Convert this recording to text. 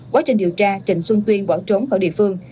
quá trình điều tra trịnh xuân tuyên bỏ trốn khỏi địa phương